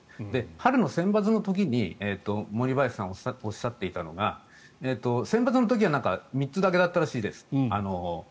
春のセンバツの時に森林さんがおっしゃっていたのがセンバツの時は３つだけだったらしいです。